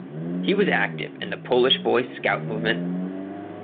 He was active in the Polish Boy Scout movement.